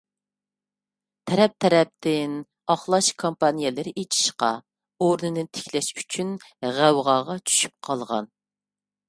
تەرەپ - تەرەپتىن ئاقلاش كامپانىيەلىرى ئېچىشقا، ئورنىنى تىكلەش ئۈچۈن غەۋغاغا چۈشۈپ قالغان.